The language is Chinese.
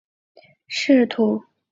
托里尼昂弗约人口变化图示